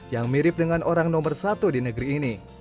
yang mirip dengan orang nomor satu di negeri ini